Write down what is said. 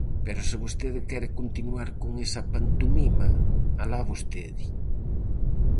Pero se vostede quere continuar con esa pantomima, alá vostede.